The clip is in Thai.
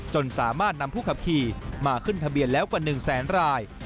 จนสามารถนำผู้ขับขี่มาขึ้นทะเบียนแล้วกว่า๑แสนราย